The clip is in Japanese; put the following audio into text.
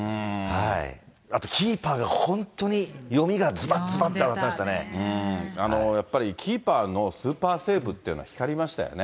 あとキーパーが本当に読みがずばっ、やっぱりキーパーのスーパーセーブっていうのは、光りましたよね。